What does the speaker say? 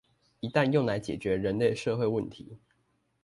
一旦用來解決人類社會問題